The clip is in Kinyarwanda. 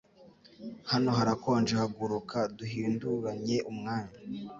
Hano harakonje, haguruka duhinduranye umwanya